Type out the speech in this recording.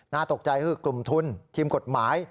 ตกใจคือกลุ่มทุนทีมกฎหมาย